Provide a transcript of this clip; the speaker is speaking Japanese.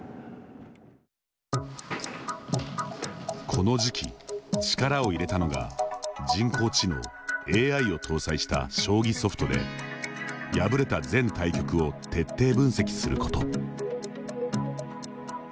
この時期力を入れたのが人工知能ＡＩを搭載した将棋ソフトで敗れた全対局を徹底分析すること。